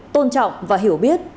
tôn trọng và hiểu biết